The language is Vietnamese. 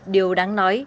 điều đáng nói